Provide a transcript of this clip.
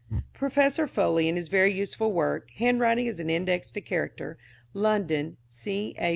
Professor Foli, in his very useful work, "Handwriting as an Index to Character" (London: C. A.